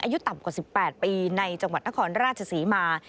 อายุต่ำกว่า๑๘ปีในจังหวัดนครราชศรีมา